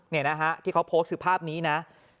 นี่นะฮะที่เขาโพสต์คือภาพนี้นะ